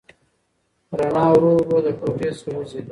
رڼا ورو ورو له کوټې څخه وځي.